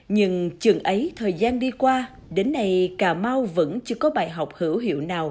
nhưng trường ấy thời gian đi qua đến nay cà mau vẫn chưa có bài học hữu hiệu nào